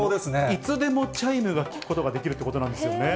いつでもチャイムが聞くことができるということなんですよね。